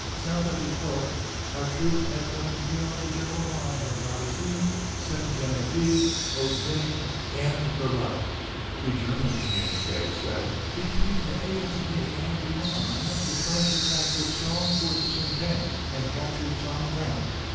South of the Ourcq our troops have gone beyond the general line of Marizy, Ste. Genevieve, Hautvesnes, and Belleau." The German communiqué said: "Between the Aisne and the Marne, the French attacked with strong forces and tanks, and captured some ground."